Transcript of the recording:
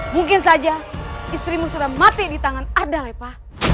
mungkin saja istrimu sudah mati di tangan anda lepa